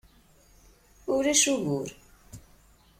Ulac ugur.